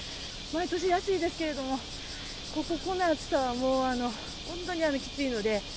毎年暑いですけれども、こんな暑さは本当にきついので。